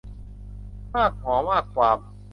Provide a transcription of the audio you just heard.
มากหมอมากความ